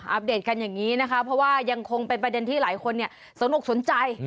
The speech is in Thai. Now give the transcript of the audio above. อปเดตกันอย่างนี้นะคะเพราะว่ายังคงเป็นประเด็นที่หลายคนสนอกสนใจ